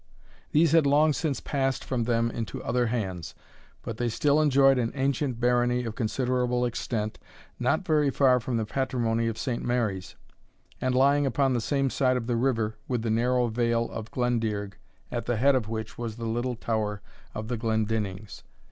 These had long since passed from them into other hands, but they still enjoyed an ancient Barony of considerable extent, not very far from the patrimony of Saint Mary's, and lying upon the same side of the river with the narrow vale of Glendearg, at the head of which was the little tower of the Glendinnings.